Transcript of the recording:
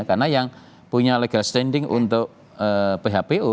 karena yang punya legal standing untuk phpo